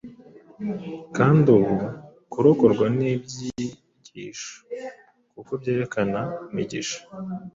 kandi uku kurokorwa ni nk’ibyigisho kuko byerekana imigisha